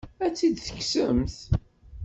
Ad tt-id-tekksemt?